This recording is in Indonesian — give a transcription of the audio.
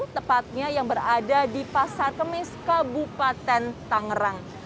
tepatnya yang berada di pasar kemis kabupaten tangerang